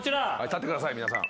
立ってください皆さん。